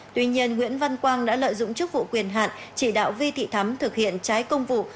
tuy nhiên nguyễn văn quang đã lợi dụng chức vụ quyền hạn chỉ đạo vi thị thắm thực hiện trái công vụ